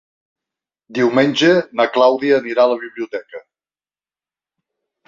Diumenge na Clàudia anirà a la biblioteca.